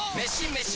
メシ！